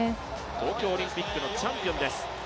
東京オリンピックのチャンピオンです。